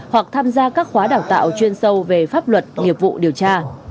hoặc tham gia các khóa đào tạo chuyên sâu về pháp luật nghiệp vụ điều tra